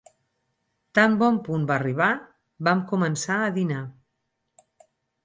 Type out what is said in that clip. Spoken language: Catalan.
Tan bon punt va arribar, vam començar a dinar.